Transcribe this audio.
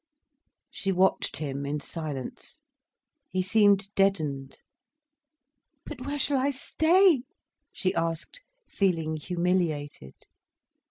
She watched him in silence. He seemed deadened. "But where shall I stay?" she asked, feeling humiliated.